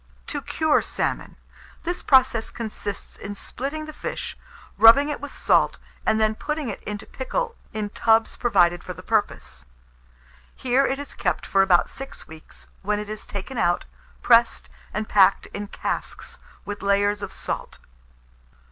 TO CURE SALMON. This process consists in splitting the fish, rubbing it with salt, and then putting it into pickle in tubs provided for the purpose. Here it is kept for about six weeks, when it is taken out, pressed and packed in casks, with layers of salt.